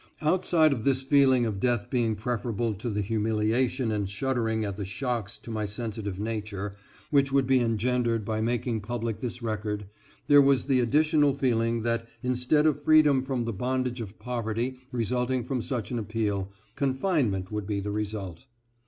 Outside of this feeling of death being preferable to the humiliation and shuddering at the shocks to my sensitive nature which would be engendered by making public this record, there was the additional feeling that instead of freedom from the bondage of poverty resulting from such an appeal, confinement would be the result.